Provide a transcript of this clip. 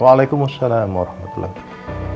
waalaikumsalam warahmatullahi wabarakatuh